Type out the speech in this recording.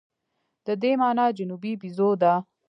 د دې مانا جنوبي بیزو ده.